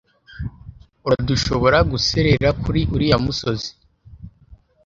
Urdushoboraguserera kuri uriya musozi.